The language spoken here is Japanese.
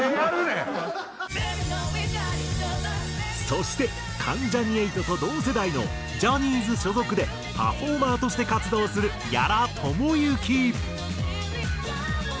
そして関ジャニ∞と同世代のジャニーズ所属でパフォーマーとして活動する屋良朝幸。